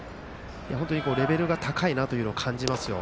本当にレベルが高いなと感じますよ。